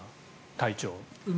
体調。